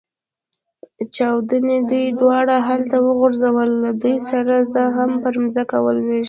چاودنې دوی دواړه هلته وغورځول، له دوی سره زه هم پر مځکه ولوېدم.